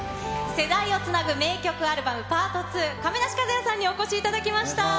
世代をつなぐ名曲アルバムｐａｒｔ２、亀梨和也さんにお越しいただきました。